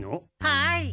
はい！